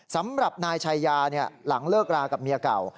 สำหรับนายชายาหลังเลิกรากับเมียเก่า